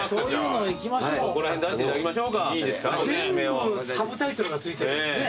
全部サブタイトルが付いてるんですね。